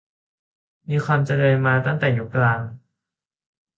มีความเจริญมาตั้งแต่ยุคกลาง